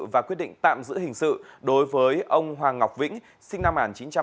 và quyết định tạm giữ hình sự đối với ông hoàng ngọc vĩnh sinh năm một nghìn chín trăm tám mươi